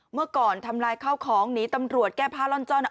เมื่อก่อนทำลายข้าวของหนีตำรวจแก้ผ้าล่อนจ้อน